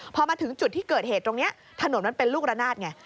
พอมาถึงจุดที่เกิดเหตุตรงนี้ถนนมันเป็นลูกระนาดไง